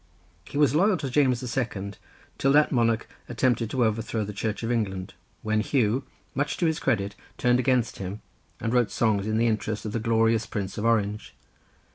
He was loyal to James the Second, till that monarch attempted to overthrow the Church of England, when Huw, much to his credit, turned against him, and wrote songs in the interest of the glorious Prince of Orange.